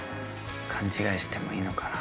勘違いしてもいいのかな。